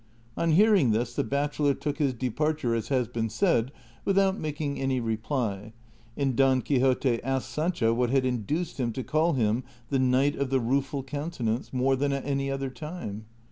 On hearing this the bachelor took his departure, as has been said, without making an}^ repl}' ; and Don Quixote asked Sancho what had induced him to call him the " Knight of the Rueful Countenance " more than at any other time.